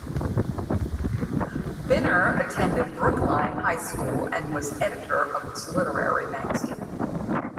Bynner attended Brookline High School and was editor of its literary magazine.